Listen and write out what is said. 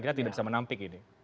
kita tidak bisa menampik ini